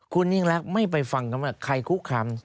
คุณยิ่งรักไม่ไปฟังคำว่าใครคุกคาม